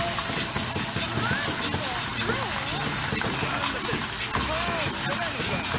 なんだふたりガーンしらないのかあ。